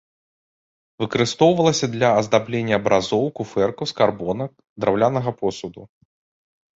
Выкарыстоўвалася для аздаблення абразоў, куфэркаў, скарбонак, драўлянага посуду.